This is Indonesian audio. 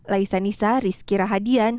laisa nisa rizky rahadian